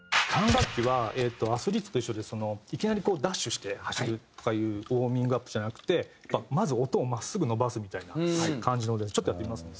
管楽器はアスリートと一緒でいきなりダッシュして走るとかいうウォーミングアップじゃなくてまず音を真っすぐ伸ばすみたいな感じのちょっとやってみますね。